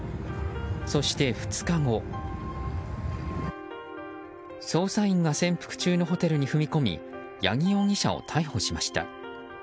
そして、２日後捜査員が潜伏中のホテルに踏み込み八木容疑者を逮捕しました。